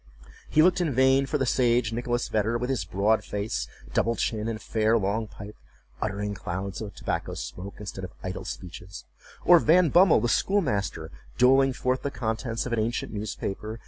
He looked in vain for the sage Nicholas Vedder, with his broad face, double chin, and fair long pipe, uttering clouds of tobacco smoke instead of idle speeches; or Van Bummel, the schoolmaster, doling forth the contents of an ancient newspaper.